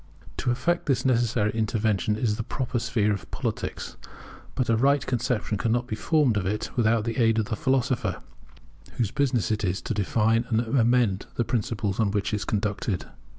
To effect this necessary intervention is the proper sphere of politics. But a right conception cannot be formed of it without the aid of the philosopher, whose business it is to define and amend the principles on which it is conducted.